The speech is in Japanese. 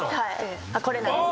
これなんです。